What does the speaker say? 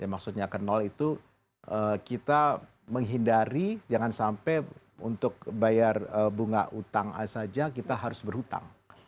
maksudnya ke nol itu kita menghindari jangan sampai untuk bayar bunga utang saja kita harus berhutang